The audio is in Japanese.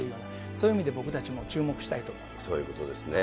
そういう意味で、僕たちも注目しそういうことですね。